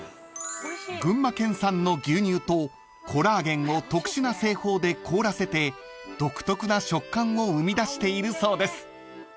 ［群馬県産の牛乳とコラーゲンを特殊な製法で凍らせて独特な食感を生み出しているそうです］